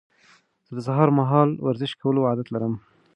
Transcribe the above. زه د سهار مهال ورزش کولو عادت لرم.